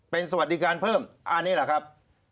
เป็นสวัสดิการเพิ่มอันนี้แหละครับ